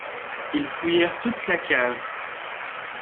Ils fouillèrent toute la cave.